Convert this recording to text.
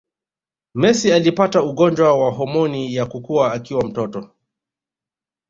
Messi alipata ugonjwa wa homoni ya kukua akiwa mtoto